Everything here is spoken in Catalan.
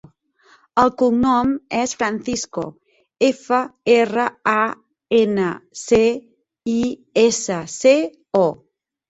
El cognom és Francisco: efa, erra, a, ena, ce, i, essa, ce, o.